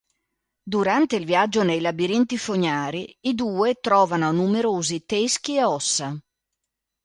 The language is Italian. Durante il viaggio nei labirinti fognari i due trovano numerosi teschi e ossa.